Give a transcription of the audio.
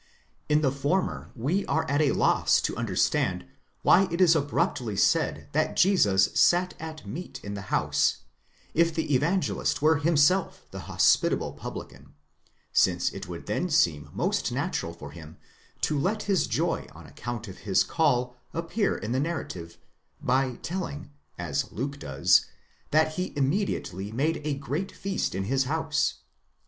In the former, we are at a loss to understand why it is abruptly said that Jesus sat at meat in the house, if the Evangelist were himself the hospit able publican, since it would then seem most natural for him to let his joy on account of his call appear in the narrative, by telling, as Luke does, that he immediately made a great feast in his house.